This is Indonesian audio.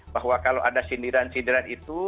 bahwa kalau ada sindiran sindiran itu